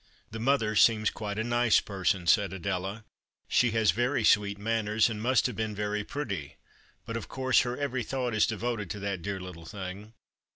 " The mother seems quite a nice person," said Adela. " She has very sweet manners, and must have been very pretty, but of course her every thought is devoted to that dear little thing.